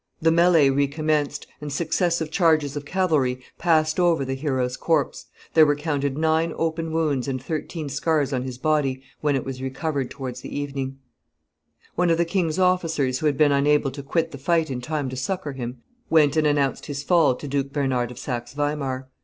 The melley recommenced, and successive charges of cavalry passed over the hero's corpse; there were counted nine open wounds and thirteen scars on his body when it was recovered towards the evening. [Illustration: Death of Gustavus and his Page 290] One of the king's officers, who had been unable to quit the fight in time to succor him, went and announced his fall to Duke Bernard of Saxe Weimar.